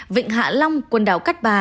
vịnh hạ long quần đảo cát bà